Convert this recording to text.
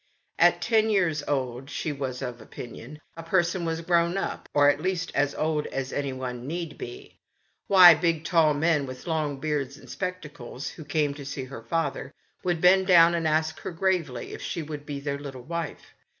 At ten years old she was of opinion a person was grown up, or at least as old as anyone should be. Why, big, tall men, with 22 THE 8T0HT OF A MODEM? WOMAN. long beards and spectacles, who came to see her father, would bend down and ask her gravely if she would be their little wife